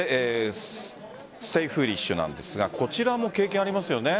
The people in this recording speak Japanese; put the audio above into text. ステイフーリッシュなんですがこちらも経験ありますよね。